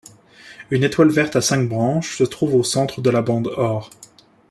Une étoile verte à cinq branches se trouve au centre de la bande or.